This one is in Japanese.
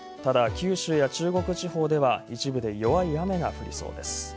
ただ、九州や中国地方では一部で弱い雨が降りそうです。